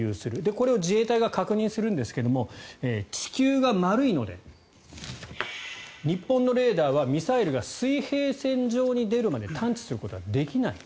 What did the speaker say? これを自衛隊が確認するんですが地球が丸いので日本のレーダーはミサイルが水平線上に出るまで探知することはできない。